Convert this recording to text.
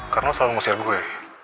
karena lo selalu ngusir gue